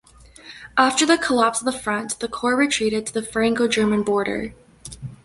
After the collapse of the front, the corps retreated to the Franco-German border.